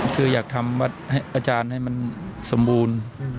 คืออยากทำวัดให้อาจารย์ให้มันสมบูรณ์